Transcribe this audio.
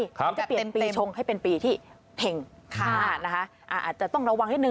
เขาจะเปลี่ยนปีชงให้เป็นปีที่เห็งอาจจะต้องระวังนิดนึ